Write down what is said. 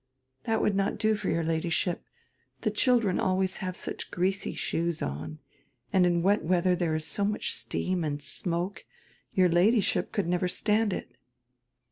"That would not do for your Ladyship. The children always have such greasy shoes on, and in wet weather tiiere is so much steam and smoke, your Ladyship could never stand it."